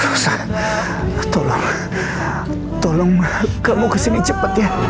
rossa tolong tolong kamu kesini cepet ya